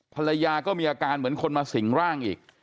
ภรรยาก็มีอาการเหมือนคนมาสิงร่างอีก